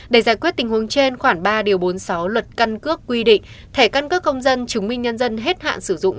để giải quyết tình huống trên khoảng ba bốn mươi sáu luật căn cước quy định thẻ căn cước công dân chứng minh nhân dân hết hạn sử dụng